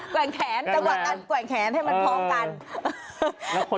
กว่างแขนกว่างแขนเดี๋ยวให้มันพร้อมกัน